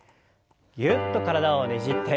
ぎゅっと体をねじって。